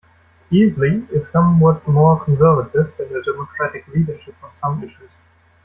Easley is somewhat more conservative than the Democratic leadership on some issues.